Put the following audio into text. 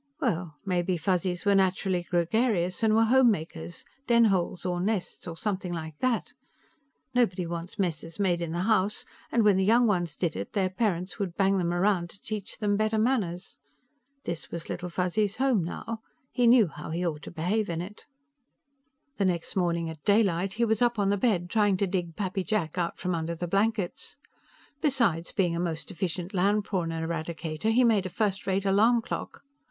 Well, maybe Fuzzies were naturally gregarious, and were homemakers den holes, or nests, or something like that. Nobody wants messes made in the house, and when the young ones did it, their parents would bang them around to teach them better manners. This was Little Fuzzy's home now; he knew how he ought to behave in it. The next morning at daylight, he was up on the bed, trying to dig Pappy Jack out from under the blankets. Besides being a most efficient land prawn eradicator, he made a first rate alarm clock.